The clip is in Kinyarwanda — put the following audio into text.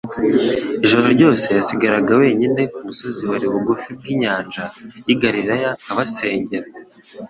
Ijoro ryose yasigaraga wenyine ku musozi wari bugufi bw'inyanja y'i Galilaya abasengera,